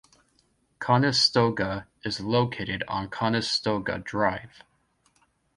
Conestoga is located on Conestoga Drive.